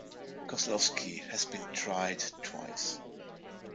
Kozlowski has been tried twice.